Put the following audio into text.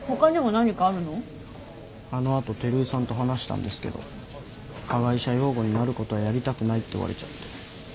あの後照井さんと話したんですけど加害者擁護になることはやりたくないって言われちゃって。